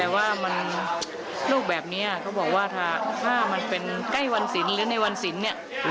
แต่ว่าลูกแบบนี้เขาบอกว่าถ้ามันเป็นใกล้วันศิลป์หรือในวันศิลป์เนี่ย